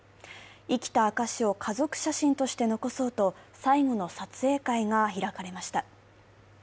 生きた証を家族写真として残そうと最後の撮影会が開かれました。